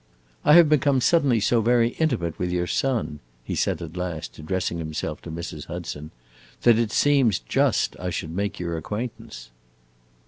"I have become suddenly so very intimate with your son," he said at last, addressing himself to Mrs. Hudson, "that it seems just I should make your acquaintance."